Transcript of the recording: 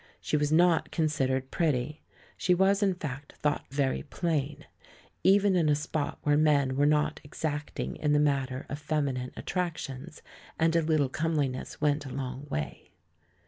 She was not considered pretty; she was, in fact, thought very plain, even in a spot where men w^ere not exacting in the matter of feminine at tractions and a little comeliness went a long way.